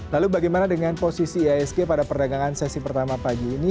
lalu bagaimana dengan posisi iasg pada perdagangan sesi pertama pagi ini